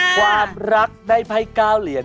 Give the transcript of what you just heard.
ความรักในภัยกาวเหรียญ